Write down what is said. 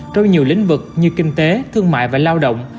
trong nhiều lĩnh vực như kinh tế thương mại và lao động